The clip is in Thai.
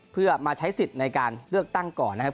เพื่อมาใช้สิทธิ์ในการเลือกตั้งก่อนนะครับ